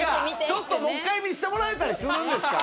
ちょっともう１回見せてもらえたりするんですか？